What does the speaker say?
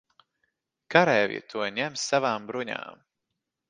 Kareivji to ņem savām bruņām.